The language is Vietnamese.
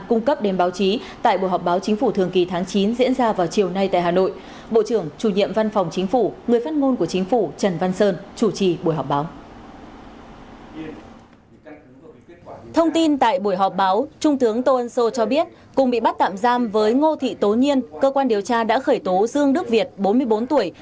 cùng bị bắt tạm giam với ngô thị tố nhiên cơ quan điều tra đã khởi tố dương đức việt bốn mươi bốn tuổi